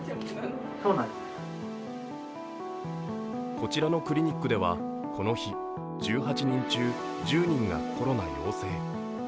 こちらのクリニックでは、この日１８人中１０人がコロナ陽性。